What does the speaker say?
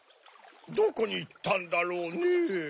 どこにいったんだろうねぇ？